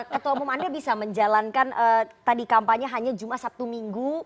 ketua umum anda bisa menjalankan tadi kampanye hanya jumat sabtu minggu